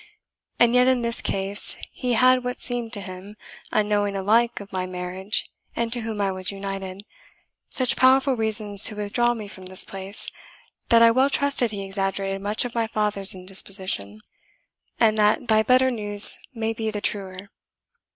And yet in this case he had what seemed to him, unknowing alike of my marriage and to whom I was united, such powerful reasons to withdraw me from this place, that I well trust he exaggerated much of my father's indisposition, and that thy better news may be the truer."